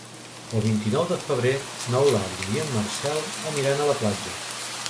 El vint-i-nou de febrer n'Eulàlia i en Marcel aniran a la platja.